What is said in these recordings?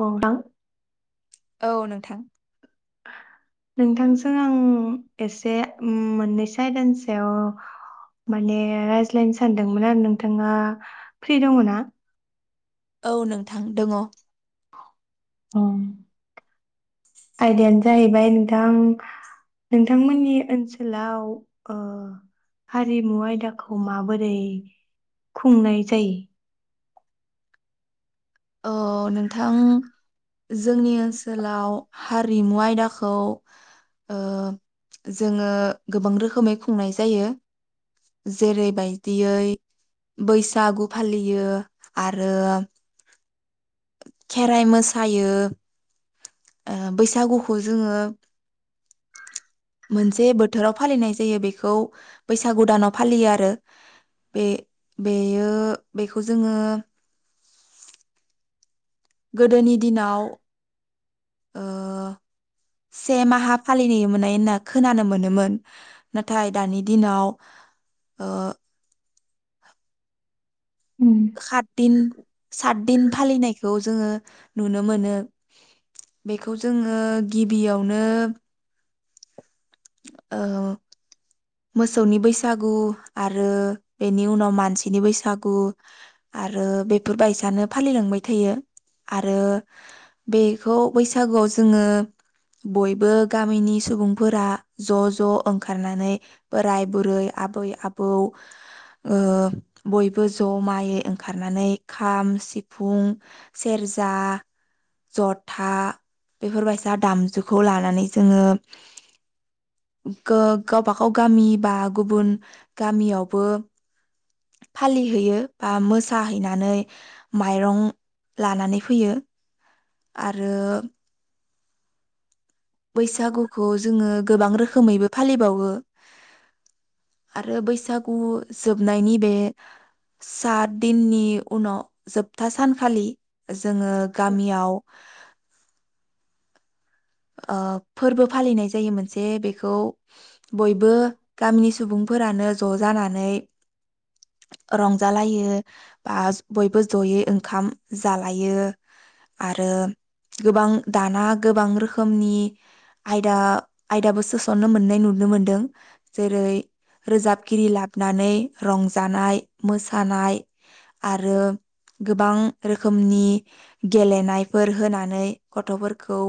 अ दां। औ नोंथां। नोंथांजों आं एसे मोननैसो आयदानि सायाव माने रायज्लायनो सानदोंमोन आरो नोंथाङा फ्रि दङ' ना? औ नोंथां दोङ'। उम आयदायानो जाहैबाय नोंथां नोंथांमोननि ओनसोलाव ओ हारिमु आयदाखौ माबोरै खुंनाय जायो? अ नोंथां जोंनि ओनसोलाव हा रिमु आयदाखौ ओ जोङो गोबां रोखोमै खुंनाय जायो जेरैबायदियै बैसागु फालियो आरो खेराइ मोसायो ओ बैसागुखौ जोङो मोनसे बोथोराव फालिनाय जायो बेखौ बैसागु दानाव फालियो आरो बे बेयो बेखौ जोङो गोदोनि दिनाव ओ से माहा फालिनाय मोननाय होनना खोनानो मोनो। मोन नाथाय दानि दिनाव ओ उम खात दिन सात दिन फालिनायखौ जोङो नुनो मोनो बेखौ जोङो गिबियावनो औ। मोसौनि बैसागु आरो बेनि उनाव मानसिनि बैसागु आरो बेफोरबायसानो फालिलांबाय थायो आरो। बेखौ बैसागुआव जोङो बयबो गामिनि सुबुंफोरा ज' ज' ओंखारनानै बोराय, बुरै, आबै आबौ ओ बयबो जमायै ओंखारनानै खाम, सिफुं, सेरजा, जथा बेफोरबायसा दामजुखौ लानानै जोङो गो गावबागाव अ गामि बा गुबुन गामियावबो फालिहैयो बा मोसाहैनानै माइरं लानानै फैयो। आरो बैसागुखौ जोङो गोबां रोखोमैबो फालिबावो। आरो बैसागु जोबनायनि बे सात दिननि उनाव जोब था सानखालि जोङो गामियाव ओ फोरबो फालिनाय जायो मोनसे बेखौ बयबो गामिनि सुबुंफोरानो ज' जानानै रंजालायो बा बयबो ज'यै ओंखाम जालायो आरो गोबां दाना गोबां रोखोम खोमनि आयदा आयदाबो सोस'ननो मोननाय नुनो मोनदों जेरै रोजाबगिरि लाबनानै रंजानाय मोसानाय आरो गोबां रोखोमनि गेलेनायफोर होनानै गथ'फोरखौ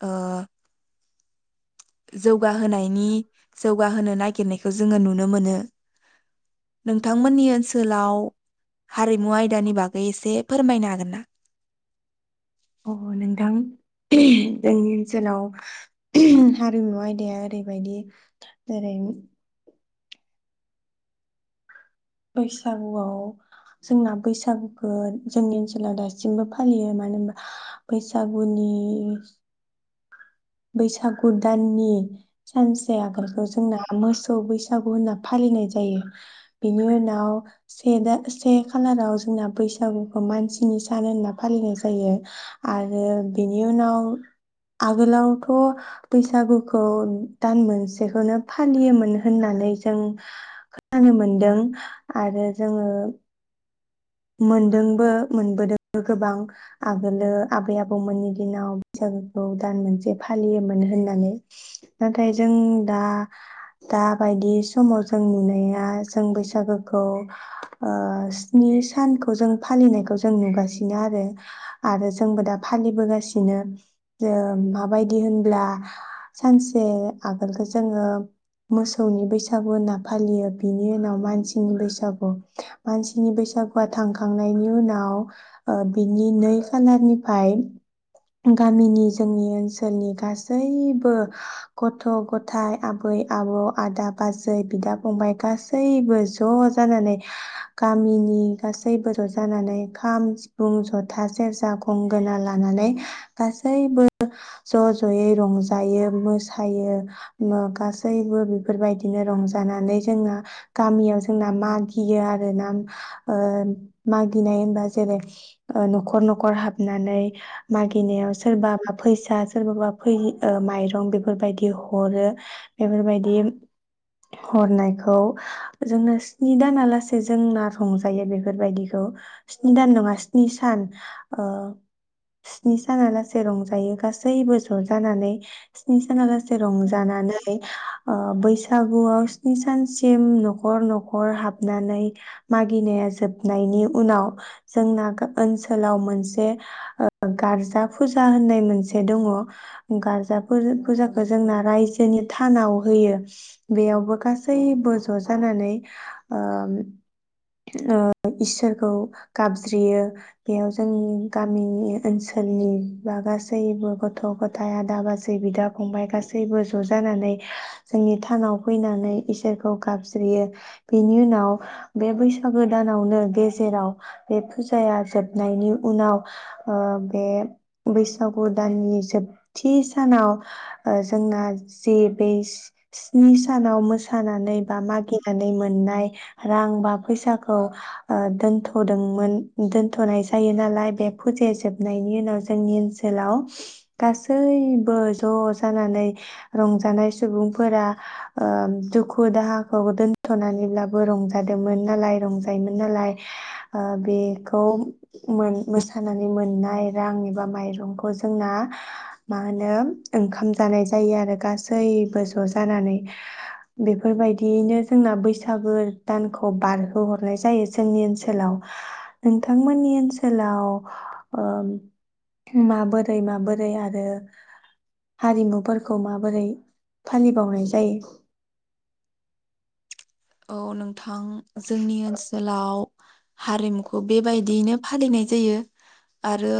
ओ जौगाहोनायनि जौगा होनो नागिरनायखौ जोंङो नुनो मोनो। नोंथांमोननि ओनसोलाव हारिमु आयदानि बागै एसे फोरमायनो हागोन ना? अ नोंथां जोंनि ओनसोलाव ऊम हारिमु आयदाया ओरैबायदि जेरै बैसागुआव जोंना बैसागुखौ जोंनि ओनसोलाव दासिमबो फालियो मानो होनबा बैसागुनि बैसागु दाननि सानसे आगोलखौ जोंना मोसौ बैसागु होनना फालिनाय जायो बेनि उनाव से दा से खालाराव जोंना बैसागुखौ मानसिनि सान होनना फालिनाय जायो आरो बेनि उनाव आगोलाव थ बैसागुखौ दान मोनसेखौनो फालियोमोन होननानै जों खोनानो मोनदों आरो जोङो मोनदोंबो मोनबोदोंबो गोबां आगोलो आबै आबौमोननि दिनाव बैसागोखौ दान मोनसे फालियोमोन होननानै नाथाय जों दा दाबायदि समाव जों नुनाया जों बैसागोखौ ओ स्नि सा सानखौ जों फालिनायखौ जों नुगासिनो आरो आरो जोंबो दा फालिबोगासिनो ओ माबायदि होनब्ला सानसे आगोलखौ जोङो मोसौनि बैसागु होनना फालियो बिनि उनाव मानसिनि बैसागु मानसिनि बैसागु हौवा थांखांनायनि उनाव ओ बिनि नै खालारनिफ्राय गामिनि जोंनि ओनसोलनि गासैबो गथ गथायाइ आबै आबौ आदा बाजै बिदा फंबाय गासैबो ज जानानै गामिनि गासैबो रजानानै खाम सिफुं जथा सेरजा खंगोना लानानै गासैबो ज ज यै रंजायो मोसायो गासैबो बेफोरबायदिनो रंजानानै जोंना गामियाव जोंना मागियो आरो ना ओ मागिनाय होनबा जेरै ओ नखर नखर हाबनानै मागिनायाव सोरबा बा फैसा सोरबाबा फै माइरं बेफोरबायदि हरो बेफोरबायदि हरनायखौ जोंनो स्नि दाना लासे जोंना सं बेफोरबायदिखौ स्नि दान नङा स्नि सान ओ स्नि सानालासेै रंजायो गासैबो जजानानै साना लासे रंजानानै बैसागुआव स्नि सानसिम नखर नखर हाबनानै मा गिनाया जोबनायनि उनाव जोंना ओनसोलाव मोनसे गारजा फुजा होननाय मोनसे दङ गारजा फुजाखौ जोंना रायजोनि थानाव होयो बेयावबो गासैबो ज जानानै ओ ओ इसोरखौ गाबज्रियो बेयाव जोंनि गामिनि ओनसोलनि बा गासैबो गथ गथाय आदा बाजै बिदा फंबाय गासैबो जजानानै जोंनि थानाव फैनानै इसोरखौ गाबज्रियो बेनि उनाव बे बैसागु दानावनो गेजेराव बे फुजाया जोबनायनि उनाव ओ बे बैसागु दाननि जोबथि सानाव ओ जोंना जि बै स्नि सानाव मो सानानै बा मागि नानै मोननाय रां एबा फैसाखौ ओ दोनथ'दोंमोन दोनथनाय जायो नालाय बे फुजाया जोबनायनि उनाव जोंनि ओनसोलाव गासैबो ज जानानै रंजानाय सुबुंफोरा दुखु दाहाखौ दोनथनानैब्लाबो रंजादों मोन नालाय रंजायोमोन नालाय ओ बेखौ मोसानानै मोननाय रां एबा माइरंखौ जोंना मा होनो ओंखाम जानाय जायो आरो गासैबो ज जानानै बेफोरबायदियैनो जोंना बैसागो दानखौ बारहोहरनाय जायो जोंनि ओनसोलाव नोंथांमोननि ओनसोलाव ओ माबोरै माबोरै आरो हारिमुफोरखौ माबोरै फालिबावनाय जायो? औ नोंथां जोंनि ओनसोलाव हारिमुखौ बेबायदियैनो फालिनाय जायो आरो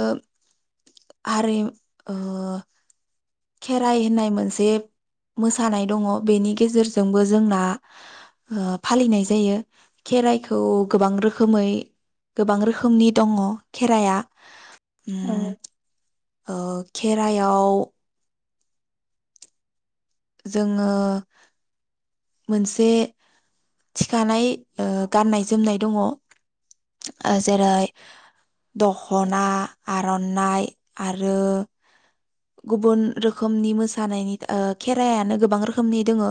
हारि ओ खेराइ होननाय मोनसे मोसानाय दङ बेनि गेजेरजोंबो जोंना ओ फालिनाय जायो खेराइखौ गोबां रोखोमै गोबां रोखोमनि दङ खेराइआ। औ उम ओ खेरायाव जोङो मोनसे थिखानाय ओ गाननाय जोमनाय दङ जेरै दखना आरनाइ आरो गुबुन रोखोमनि मोसानायनि ओ खेराइानो गोबां रोखोमनि दङो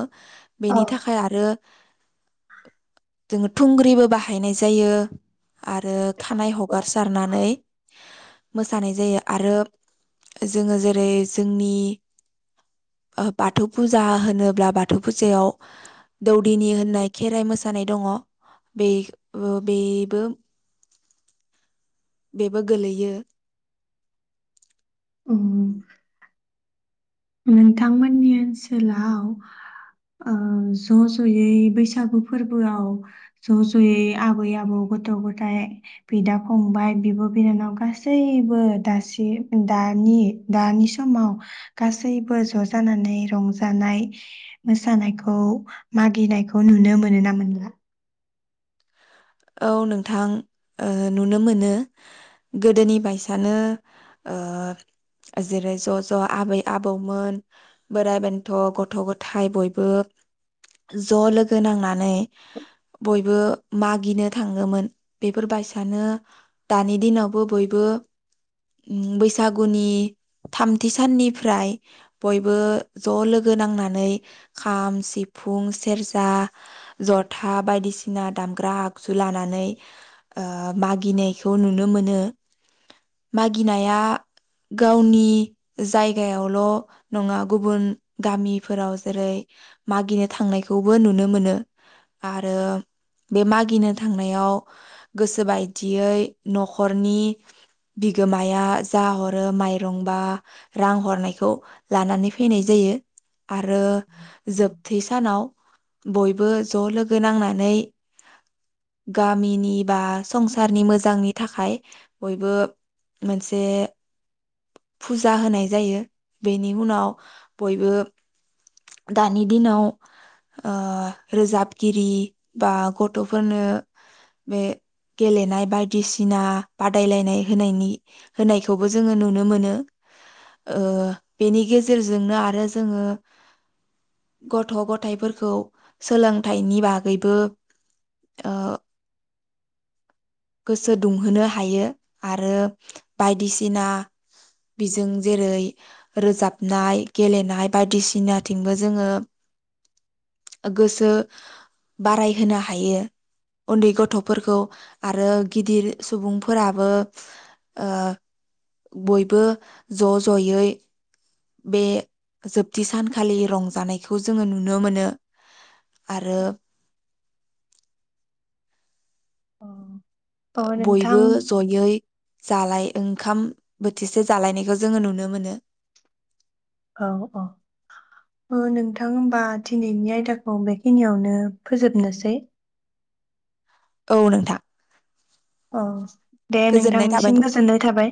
औ बेनि थाखाय आरो जोङो थुंग्रिबो बाहाय हायनाय जायो। आरो खानाय हगारसारनानै मोसानाय जायो आरो जोङो जे रै जोंनि ओ बाथौ फुजा होनोब्ला बाथौ फुजायाव दौदिनि होननाय खेर मोसा जानाय दङ बे-बेबो बेबो गोलैयो उह नोंथांमोननि ओनसोलाव ओ ज जयै बैसागु फोरबोआव ज जयै आबै आबौ गथ गथाय बिदा फंबाय बिब बिनानाव गासैबो दासि दानि दानि समाव गासैबो ज जानानै रंजानाय मोसानायखौ मागिनायखौ नुनो मोनो ना मोनला? औ नोंथां ओ नुनो मोनो गोदोनि बायसानो ओ जेरै ज ज आबै आबौमोन बोराइ बेन्थ गथ गथाय बयबो ज लोगो नांनानै बयबो मागिनो थांङोमोन बेफोरबायसानो दानि दिनावबो बयबो अम बैसागुनि थामथि साननिफ्राय बयबो ज लोगो नांनानै खाम सिफुं सेरजा जथा बायदिसिना दामग्रा आगजु लानानै ओ मागिनायखौ नुनो मोनो मागिनाया गावनि जायगायावल नङा गुबुन गामिफोराव जेरै मागिनो थांनायखौबो नुनो मोनो आरो बे मागिनो थांनायाव गोसो बायदियै नखरनि बिगोमाया जा हरो माइरंबा रां हरनायखौ लानानै फैनाय जायो। आरो जोबथि सानाव बय बो ज लोगो नांनानै गामिनि बा संसारनि मोजांनि थाखाय बयबो मोनसे फुजा होनाय जायो बेनि उनाव बयबो दानि दिनाव ओ रोजाबगिरि बा गथफोरनो बे गेलेनाय बायदिसिना बादायलायनाय होनायनि होनायखौबो जोङो नुनो मोनो ओ बेनि गेजेरजोंनो आरो जोङो गथ गथायफोरखौ सोलोंथाइनि बागैबो ओ गोसो दुंहोनो हायो आरो बायदिसिना बिजों जेरै रोजाबनाय गेलेनाय बायदिसिनाथिंबो जोङो गोसो बारायहोनो हायो उन्दै गथफोरखौ आरो गिदिर सुबुंफोराबो ओ बयबो ज जयै बे जोबथि सानखालि रंजानायखौ जोङो नुनो मोनो आरो अ अ ओ नोंथां बयबो जयै जालाय ओंखाम बोथिसे जालायनायखौ जोङो नुनो मोनो। औ औ ओ नोंथां होमबा दिनैनि आयदाखौ बेखिनियावनो फोजोबनोसै औ नोंथां औ दे गोजोननाय थाबाय नोंथांनिसिम गोजोननाय थाबाय।